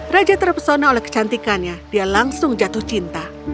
raja terpesona oleh kecantikannya dia langsung jatuh cinta